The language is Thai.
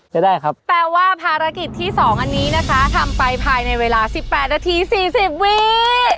ใช้ได้ครับแปลว่าภารกิจที่สองอันนี้นะคะทำไปภายในเวลาสิบแปดนาทีสี่สิบวิน